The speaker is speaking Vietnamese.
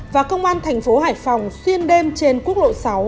và công an tp hải phòng xuyên đêm trên quốc lộ sáu